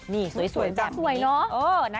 นี่สวยแบบนี้สวยเหรอ